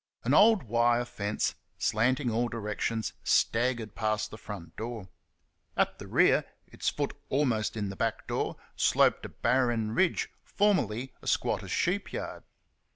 An old wire fence, slanting all directions, staggered past the front door. At the rear, its foot almost in the back door, sloped a barren ridge, formerly a squatter's sheep yard.